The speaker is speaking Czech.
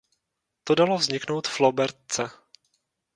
To dalo vzniknout flobertce.